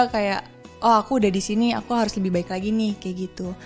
kayak oh aku udah di sini aku harus lebih baik lagi nih kayak gitu